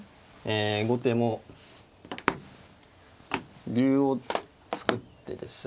後手も竜を作ってですね